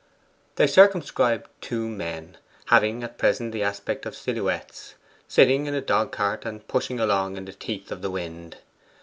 They circumscribed two men, having at present the aspect of silhouettes, sitting in a dog cart and pushing along in the teeth of the wind.